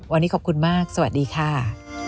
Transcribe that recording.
วันนี้ขอบคุณมากสวัสดีค่ะ